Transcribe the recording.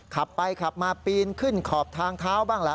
ขับไปขับมาปีนขึ้นขอบทางเท้าบ้างล่ะ